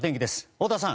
太田さん。